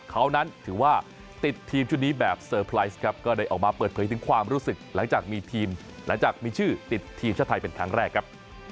เขานั้นถือว่าติดทีมชุดนี้แบบเซอร์ไพรส์ครับก็ได้ออกมาเปิดเผยถึงความรู้สึกหลังจากมีทีมหลังจากมีชื่อติดทีมชาติไทยเป็นครั้งแรกครับ